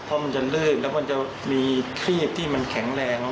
พอมันจะเรื่องแล้วมันจะมีคลีบที่มันแข็งแรง